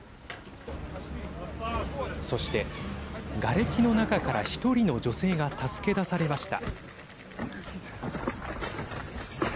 そして、がれきの中から１人の女性が助け出されました。